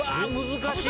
難しい！